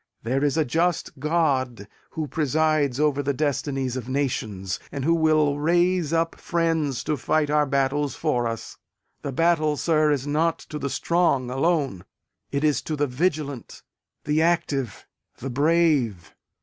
There is a just God who presides over the destinies of nations, and who will raise up friends to fight our battles for us. The battle, sir, is not to the strong alone; it is to the vigilant, the active, the brave.